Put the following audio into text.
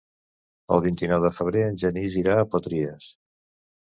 El vint-i-nou de febrer en Genís irà a Potries.